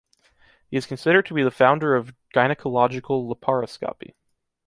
He is considered to be the founder of gynecological laparoscopy.